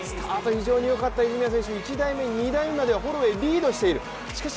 非常によかった泉谷選手、１台目、２台目まではホロウェイ選手をリードしている。